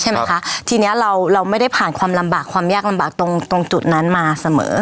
ใช่ไหมคะทีเนี้ยเราเราไม่ได้ผ่านความลำบากความยากลำบากตรงตรงจุดนั้นมาเสมอ